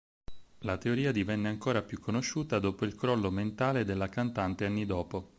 La teoria divenne ancora più conosciuta dopo il crollo mentale della cantante anni dopo.